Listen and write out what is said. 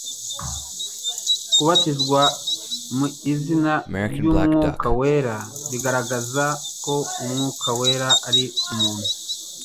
Kubatizwa mu izina ry'umwuka wera bigaragaza ko umwuka wera ari umuntu.